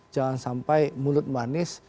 jangan sampai mulut manis